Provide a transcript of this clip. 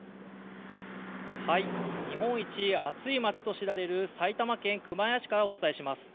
日本一暑い街と知られる埼玉県熊谷市からお伝えします。